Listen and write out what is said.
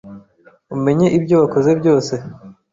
umenye ibyo wakoze byose